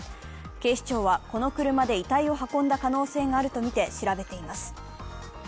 警視庁はこの車で遺体を運んだ可能性があるとみて調べています。